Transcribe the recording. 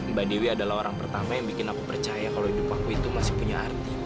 mbak dewi adalah orang pertama yang bikin aku percaya kalau hidup aku itu masih punya arti